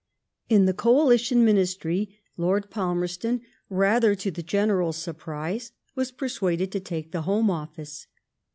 In the Coalition Ministry Lord Palmerston, rather to the general surprise, was persuaded to take the Home Office.